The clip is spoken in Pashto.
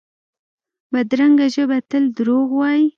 بدرنګه ژبه تل دروغ وايي